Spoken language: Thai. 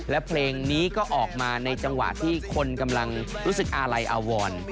และเพลงนี้ก็ออกมาในจังหวะที่คนกำลังรู้สึกอาลัยอาวร